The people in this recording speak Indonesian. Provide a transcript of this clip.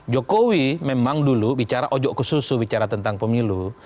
jokowi memang dulu bicara ojok ke susu bicara tentang pemilu